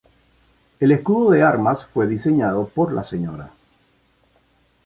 El escudo de armas fue diseñado por la Sra.